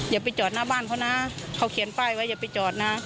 อย่าไปจอดหน้าบ้านเขานะเขาเขียนป้ายไว้อย่าไปจอดนะ